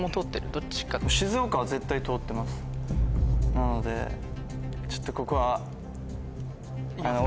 なのでちょっとここは。